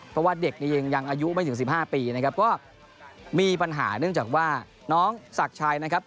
เพราะว่าเด็กนี้ยังอายุไม่ถึงสิบห้าปีนะครับก็มีปัญหาเนื่องจากว่าน้องศักดิ์ชัยนะครับ